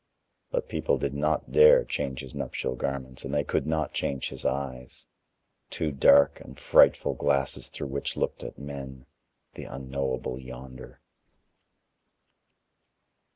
But people did not dare change his nuptial garments, and they could not change his eyes, two dark and frightful glasses through which looked at men, the unknowable Yonder.